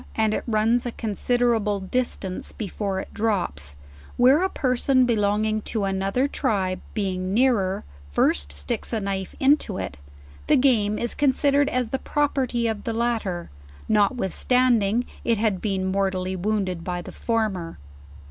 and it runs a considerable distance before it drops, where a person belonging to another tribe, being nearer, first sticks a knife into it, the game is considered as the property of the latter, notwithstanding it had been mortally wounded by the former.